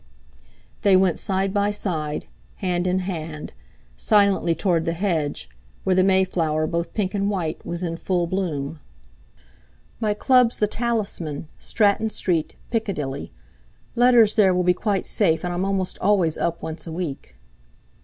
They went side by side, hand in hand, silently toward the hedge, where the may flower, both pink and white, was in full bloom. "My Club's the 'Talisman,' Stratton Street, Piccadilly. Letters there will be quite safe, and I'm almost always up once a week."